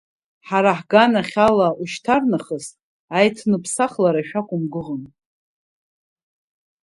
Ҳара ҳган ахь ала ушьҭарнахыс аиҭныԥсахлара шәақәымгәыӷын!